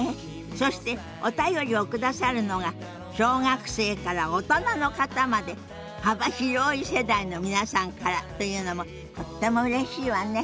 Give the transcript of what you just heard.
そしてお便りを下さるのが小学生から大人の方まで幅広い世代の皆さんからというのもとってもうれしいわね。